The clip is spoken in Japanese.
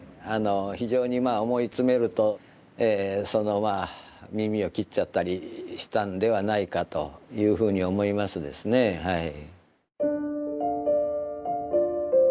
非常にまあ思い詰めるとそのまあ耳を切っちゃったりしたんではないかというふうに思いますですねはい。